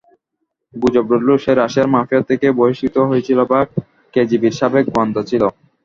গুজব রটলো সে রাশিয়ান মাফিয়া থেকে বহিষ্কৃত হয়েছিল বা কেজিবির সাবেক গোয়েন্দা ছিল।